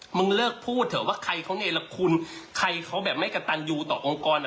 มึงเลิกพูดเถอะว่าใครเขาเนรคุณใครเขาแบบไม่กระตันยูต่อองค์กร